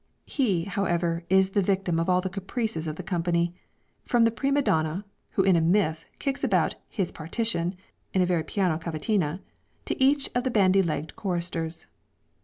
He, however, is the victim of all the caprices of the company, from the prima donna, who in a miff kicks about his partition in a very piano cavatina, to each of the bandy legged choristers.